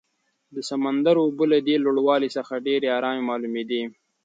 د سمندر اوبه له دې لوړوالي څخه ډېرې ارامې معلومېدې.